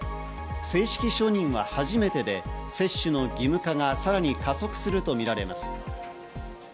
正式承認は初めてで、接種の義務化がさらに加速するとみられます。